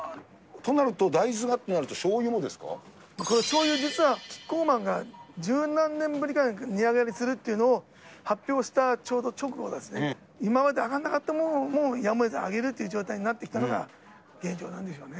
となると、大豆がっこれ、しょうゆ実は、キッコーマンが十何年ぶりかで値上がりするっていうのを発表したちょうど直後ですね、今まで上がらなかったものも、やむをえず上げるという状態になってきたのが現状なんですね。